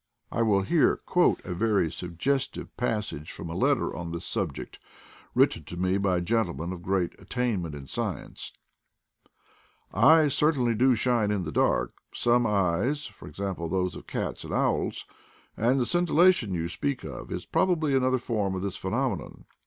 I will here quote a very suggestive passage from a letter on this subject written to me by a gentleman of great at tainments in science :'' Eyes certainly do shine in the dark — some eyes, e.g. those of cats and owls; and the scintillation you speak of is probably an other form of the phenomenon.